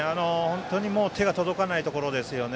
本当に手が届かないところ。